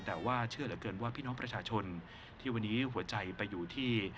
แต่ว่าเชื่อเหลือเกินว่าพี่น้องประชาชนที่วันนี้หัวใจไปอยู่ที่